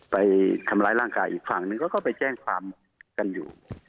ไปทำร้ายร่างกายอีกฝั่งนึงเขาก็ไปแจ้งความกันอยู่